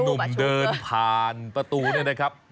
หนุ่มเดินผ่านประตูนี่นะครับ